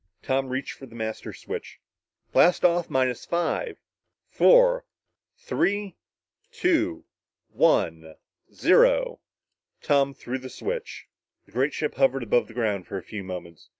Tom reached for the master switch. "Blast off minus five four three two one zero!" Tom threw the switch. The great ship hovered above the ground for a few moments.